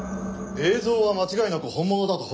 映像は間違いなく本物だと報告を受けている。